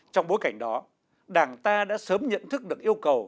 trong bối cảnh đó đảng ta đã sớm nhận thức được yêu cầu